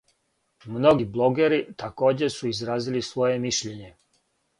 Многи блогери такође су изразили своје мишљење.